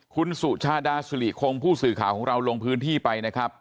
คุณสุชาดาสุริคงผู้สื่อข่าวของเราลงพื้นที่ไปนะครับ